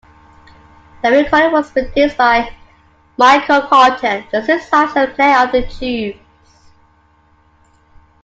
The recording was produced by Michael Cotten, the synthesizer player of The Tubes.